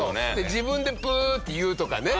自分で「プー！」って言うとかね。